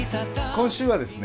今週はですね